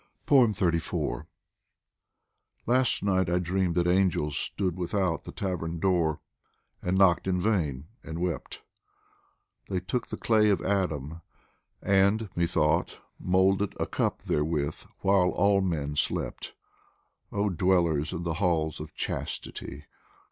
107 POEMS FROM THE XXXIV LAST night I dreamed that angels stood without The tavern door, and knocked in vain, and wept ; They took the clay of Adam, and, methought, Moulded a cup therewith while all men slept. Oh dwellers in the halls of Chastity